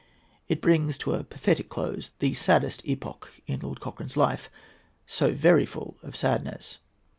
It brings to a pathetic close the saddest epoch in Lord Cochrane's life—so very full of sadness.